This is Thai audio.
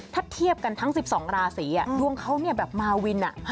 ถ้าเทียบกันทั้ง๑๒ราศีดวงเขาแบบมาวิน